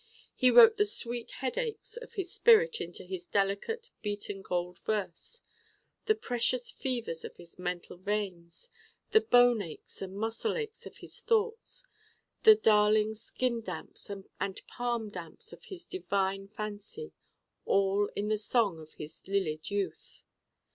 He wrote the sweet headaches of his spirit into his delicate beaten gold verse: the precious fevers of his mental veins: the bone aches and muscle aches of his thoughts: the darling skin damps and palm damps of his divine fancy: all in the Song of his lilied youth.